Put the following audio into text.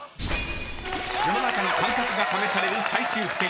［世の中の感覚が試される最終ステージ］